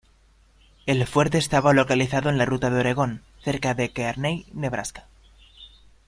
El fuerte estaba localizado en la ruta de Oregón, cerca de Kearney, Nebraska.